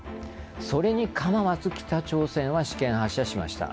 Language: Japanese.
それに構わず北朝鮮は試験発射しました。